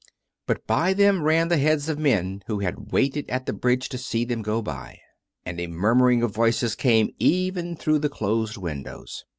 But by them ran the heads of men who had waited at the bridge to see them go by; and a murmuring of voices came even through the closed windows.